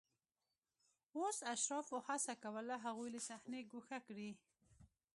اوس اشرافو هڅه کوله هغوی له صحنې ګوښه کړي